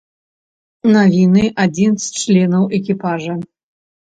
Навіны адзін з членаў экіпажа.